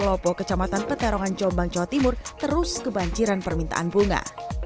lopo kecamatan peterongan jombang jawa timur terus kebanjiran permintaan bunga